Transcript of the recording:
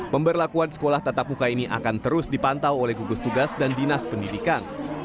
pemberlakuan sekolah tatap muka ini akan terus dipantau oleh gugus tugas dan dinas pendidikan